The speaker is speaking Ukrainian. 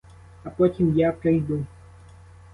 А потім я прийду.